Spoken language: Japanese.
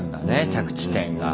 着地点が。